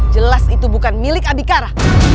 jelas itu bukan milik abikara